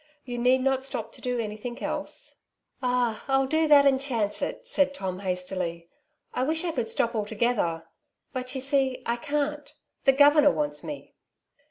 You need not stop to do anything else." " Ah, I'll do that, and chance it !" said Tom hastily, '^ I wish I could atop altogether ; but, you Flitting. 85 see, I can't. The governor wants me.